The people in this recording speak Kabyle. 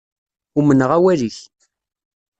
Umneɣ awal-ik.